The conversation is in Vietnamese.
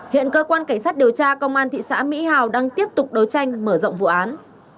hiện cơ quan cảnh sát điều tra công an thị xã mỹ hào đang tiếp tục đấu tranh mở rộng vụ án